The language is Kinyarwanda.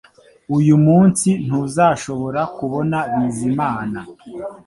Uyu munsi ntuzashobora kubona Bizimana